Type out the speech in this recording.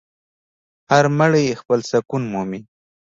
هر مړی خپل سکون مومي.